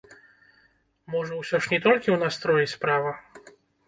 Можа, усё ж не толькі ў настроі справа?